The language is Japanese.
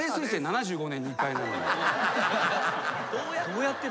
どうやって？